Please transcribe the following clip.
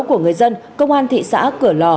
của người dân công an thị xã cửa lò